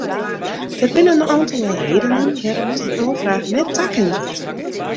Der binne in oantal redenen wêrom't in oanfraach net takend wurdt.